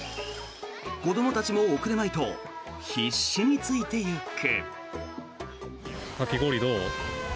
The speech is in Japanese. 子どもたちも遅れまいと必死についていく。